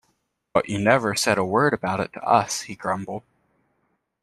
"But you never said a word about it to us," he grumbled.